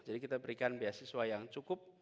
jadi kita berikan beasiswa yang cukup